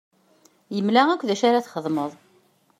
Yemla-ak d acu ara txedmeḍ.